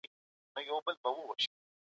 تاريخي مطالعه زموږ ليد پراخوي.